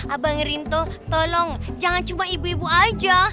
abang rinto tolong jangan cuma ibu ibu aja